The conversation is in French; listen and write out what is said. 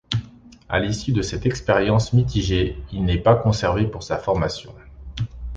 À l'issue de cette expérience mitigée, il n'est pas conservé par sa formation.